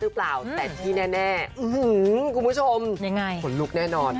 รึเปล่าแต่ที่แน่แน่อืมหูคุณผู้ชมยังไงผลลุกแน่นอน